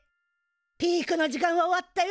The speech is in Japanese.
ピークの時間は終わったよ。